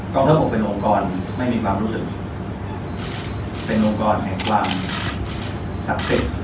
ทั้ง๖เป็นองค์กรไม่มีความรู้สึกเป็นองค์กรแห่งความศักดิ์สิทธิ์